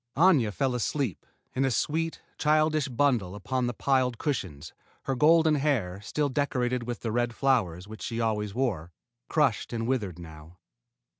Aña fell asleep, in a sweet, childish bundle upon the piled cushions, her golden hair, still decorated with the red flowers which she always wore, crushed and withered now.